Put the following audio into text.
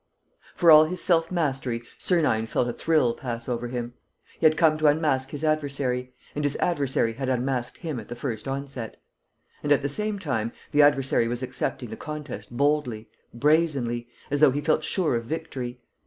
For all his self mastery, Sernine felt a thrill pass over him. He had come to unmask his adversary; and his adversary had unmasked him at the first onset. And, at the same time, the adversary was accepting the contest boldly, brazenly, as though he felt sure of victory.